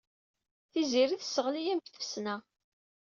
Tiziri tesseɣli-am deg tfesna.